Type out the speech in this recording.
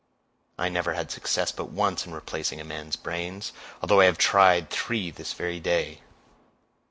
I never had success but once in replacing a man's brains, although I have tried three this very day.